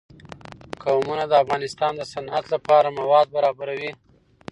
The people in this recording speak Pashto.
قومونه د افغانستان د صنعت لپاره مواد برابروي.